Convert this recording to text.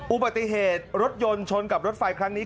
อุบัติเหตุรถยนต์ชนกับรถไฟครั้งนี้